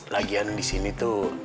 lagian di sini tuh